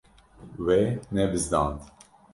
Wê nebizdand.